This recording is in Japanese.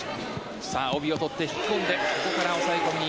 さあ、帯を取って引き込んで、ここから押さえ込みに。